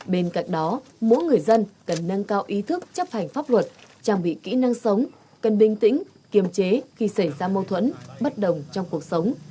bên cạnh đó mỗi người dân cần nâng cao ý thức chấp hành pháp luật trang bị kỹ năng sống cần bình tĩnh kiềm chế khi xảy ra mâu thuẫn bất đồng trong cuộc sống